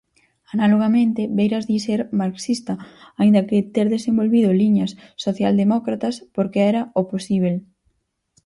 Analogamente, Beiras di ser marxista, aínda que ter desenvolvido liñas socialdemócratas porque era "o posíbel".